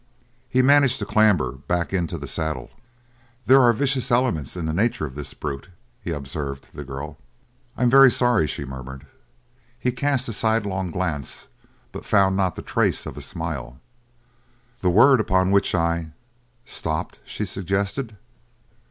He managed to clamber back into the saddle. "There are vicious elements in the nature of this brute," he observed to the girl. "I'm very sorry," she murmured. He cast a sidelong glance but found not the trace of a smile. "The word upon which I " "Stopped?" she suggested.